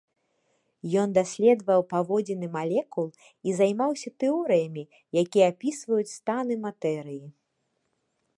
Ён даследаваў паводзіны малекул і займаўся тэорыямі, якія апісваюць станы матэрыі.